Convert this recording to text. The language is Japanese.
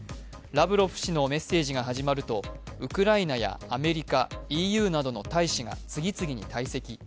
ラブロフ氏のメッセージが始まるとウクライナ、アメリカ、ＥＵなどの大使が次々に退席。